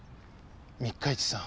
三日市さん。